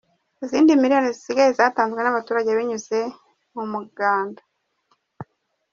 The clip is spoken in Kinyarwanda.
Izindi miliyoni zisigaye zatanzwe n’abaturage binyuze mu muganda.